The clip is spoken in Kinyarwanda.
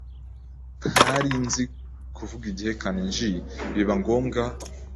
ntarinzi kuvuga igihekane Nj biba ngombwa